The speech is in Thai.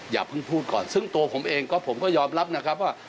อย่าเพิ่งพูดก่อนซึ่งตัวผมเองก็ผมก็ยอมรับนะครับว่า